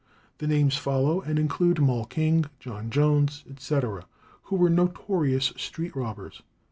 ..." The names follow, and include Moll King, John Jones, etc., "who were notorious street robbers."